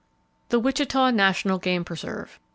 The Wichita National Game Preserve.